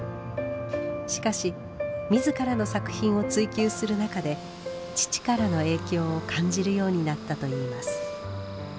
しかし自らの作品を追求する中で父からの影響を感じるようになったといいます。